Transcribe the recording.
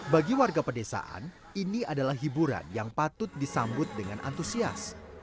bagi warga pedesaan ini adalah hiburan yang patut disambut dengan antusias